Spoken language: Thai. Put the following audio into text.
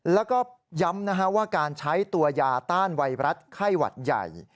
แล้วก็ย้ำว่าการใช้ตัวยาต้านไวรัสไข้หวัดใหญ่